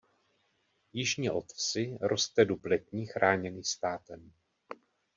Jižně od vsi roste dub letní chráněný státem.